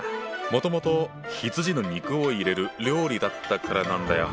もともと羊の肉を入れる料理だったからなんだよ。